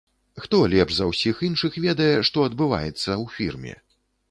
Хто лепш за ўсіх іншых ведае, што адбываецца ў фірме?